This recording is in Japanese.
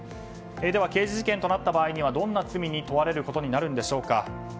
では刑事事件となった場合にはどんな罪に問われることになるんでしょうか。